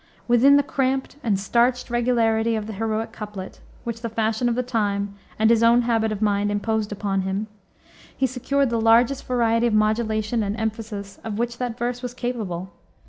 Within the cramped and starched regularity of the heroic couplet, which the fashion of the time and his own habit of mind imposed upon him, he secured the largest variety of modulation and emphasis of which that verse was capable.